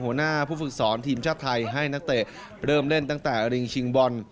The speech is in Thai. หัวหน้าผู้ฝึกสอนทีมชาติไทยให้นักเตะเริ่มเล่นตั้งแต่ริงชิงบอล